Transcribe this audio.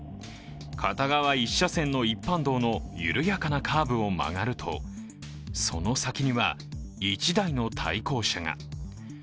片側１車線の一般道の緩やかなカーブを曲がるとその先には１台の対向車が。